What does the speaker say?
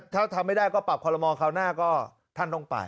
ถ้าทำไม่ได้ก็ปรับคอลโมคราวหน้าก็ท่านต้องไป